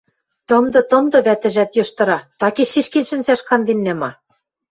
— Тымды, тымды, — вӓтӹжӓт йыштыра, — такеш шишкен шӹнзӓш канденнӓ ма?..